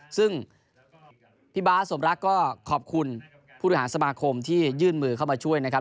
ซึ่งพี่บาทสมรักก็ขอบคุณผู้บริหารสมาคมที่ยื่นมือเข้ามาช่วยนะครับ